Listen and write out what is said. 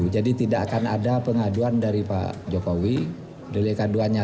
jadi di lik aduannya